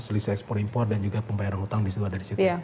selisih ekspor impor dan juga pembayaran hutang disitu ada di situ